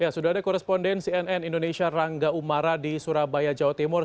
sudah ada koresponden cnn indonesia rangga umara di surabaya jawa timur